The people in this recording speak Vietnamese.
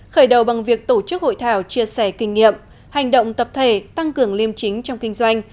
khởi đầu bằng việc tổ chức hội thảo chia sẻ kinh nghiệm hành động tập thể tăng cường liêm chính trong kinh doanh